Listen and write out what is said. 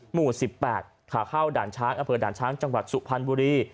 หมู่๑๘ขาเข้าด่านช้างอำเภอด่านช้างจังหวัดสุพรรณบุรี